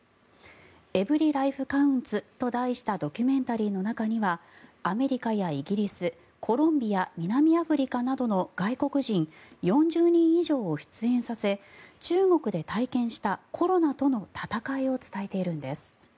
「ＥｖｅｒｙＬｉｆｅＣｏｕｎｔｓ」と題したドキュメンタリーの中にはアメリカやイギリス、コロンビア南アフリカなどの外国人４０人以上を出演させ中国で体験したコロナとの闘いを伝えているんです。